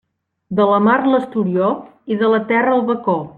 De la mar l'esturió i de la terra el bacó.